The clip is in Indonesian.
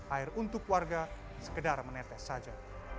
air untuk warga sekedar menetes saja